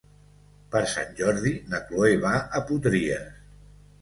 Per Sant Jordi na Cloè va a Potries.